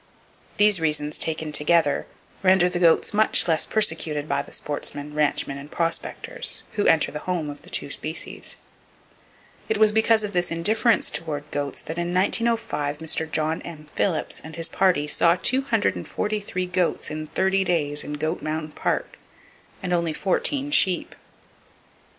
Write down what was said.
These reasons, taken together, render the goats much less persecuted by the sportsmen, ranchmen and prospectors who enter the home of the two species. It was because of this indifference toward goats that in 1905 Mr. John M. Phillips and his party saw 243 goats in thirty days in Goat Mountain Park, and only fourteen sheep.